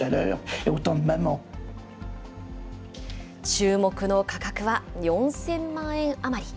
注目の価格は４０００万円余り。